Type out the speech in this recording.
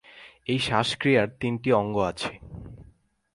এই শ্বাস-ক্রিয়ার তিনটি অঙ্গ আছে।